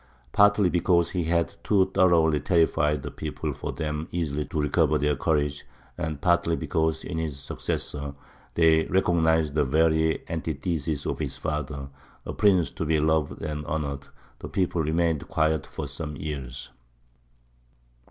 Partly because he had too thoroughly terrified the people for them easily to recover their courage, and partly because in his successor they recognized the very antithesis of his father a prince to be loved and honoured the people remained quiet for some years.